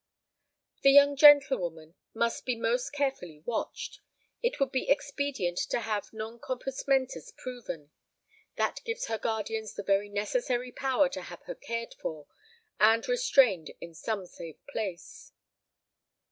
"The young gentlewoman must be most carefully watched. It would be expedient to have non compos mentis proven. That gives her guardians the very necessary power to have her cared for and restrained in some safe place."